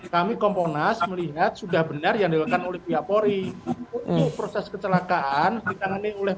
kami komponas melihat sudah benar yang dilakukan oleh pihak polri untuk proses kecelakaan ditangani oleh